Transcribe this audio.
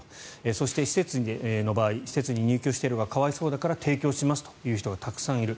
そして、施設の場合施設に入居している人が可哀想だから提供しますという人がたくさんいる。